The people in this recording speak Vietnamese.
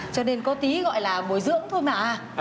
cho nên có tí gọi là bồi dưỡng thôi mà